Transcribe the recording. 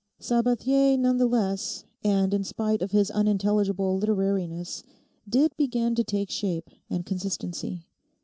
Sabathier none the less, and in spite of his unintelligible literariness, did begin to take shape and consistency.